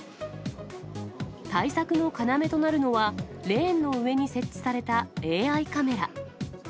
対策の要となるのは、レーンの上に設置されたＡＩカメラ。